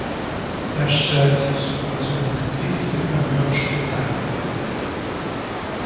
Яшчэ адзін супрацоўнік міліцыі памёр у шпіталі.